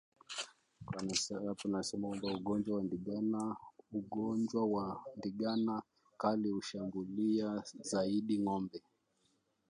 Ugonjwa wa ndigana kali hushambulia zaidi ngombe